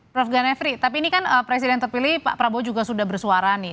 prof ganefri tapi ini kan presiden terpilih pak prabowo juga sudah bersuara nih